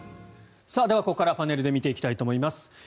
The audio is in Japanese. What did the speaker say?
ではここから、パネルで見ていきたいと思います。